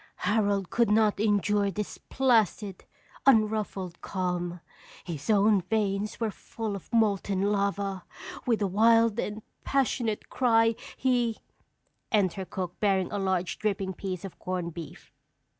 "Harold could not endure this placid, unruffled calm. His own veins were full of molten lava. With a wild and passionate cry he " _Enter cook bearing a large, dripping piece of corned beef.